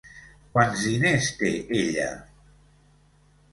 Quants diners té ella?